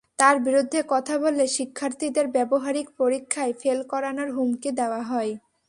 তাঁর বিরুদ্ধে কথা বললে শিক্ষার্থীদের ব্যবহারিক পরীক্ষায় ফেল করানোর হুমকি দেওয়া হয়।